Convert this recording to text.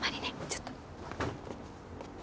ちょっと。